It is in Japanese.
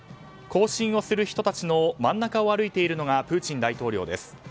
行進をする人たちの真ん中を歩いているのがプーチン大統領です。